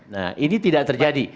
nah ini tidak terjadi